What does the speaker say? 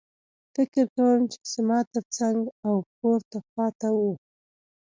فکر کوم چې زما ترڅنګ او پورته خوا ته وو